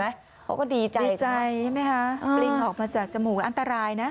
เขาก็ดีใจดีใจใช่ไหมคะปริงออกมาจากจมูกอันตรายนะ